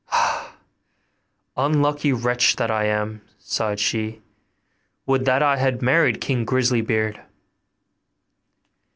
'Ah! unlucky wretch that I am!' sighed she; 'would that I had married King Grisly beard!